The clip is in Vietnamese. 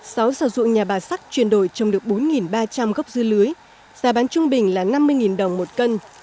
sáu sản dụng nhà bà sắc chuyển đổi trong được bốn ba trăm linh gốc dư lưới giá bán trung bình là năm mươi đồng một cân